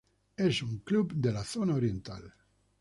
Es un club de la zona oriental.